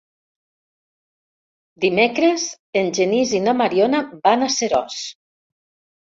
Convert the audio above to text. Dimecres en Genís i na Mariona van a Seròs.